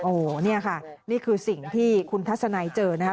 โอ้โหนี่ค่ะนี่คือสิ่งที่คุณทัศนัยเจอนะคะ